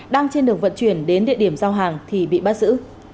đang trên đường vận chuyển đến địa điểm giao hàng thì bị bắt giữ